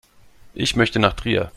Ich möchte nach Trier